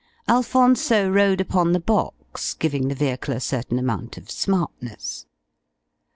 Alphonso rode upon the box, giving the vehicle a certain amount of smartness.